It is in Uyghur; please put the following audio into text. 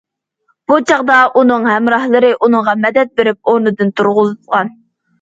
بۇ چاغدا ئۇنىڭ ھەمراھلىرى ئۇنىغا مەدەت بېرىپ ئورنىدىن تۇرغۇزغان.